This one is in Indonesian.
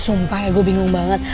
sumpah ya gue bingung banget